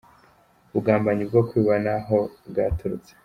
Ubugambanyi bwo kwiba ni aho bwaturutse “.